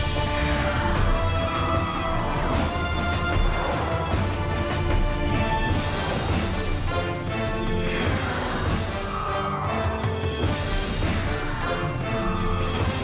โปรดติดตามตอนต่อไป